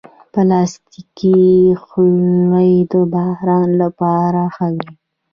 پلاستيکي خولۍ د باران لپاره ښه وي.